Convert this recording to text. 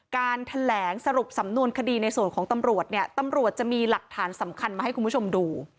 การแถลงสรุปสำนวนคดีในส่วนของตำรวจเนี่ยตำรวจจะมีหลักฐานสำคัญมาให้คุณผู้ชมดู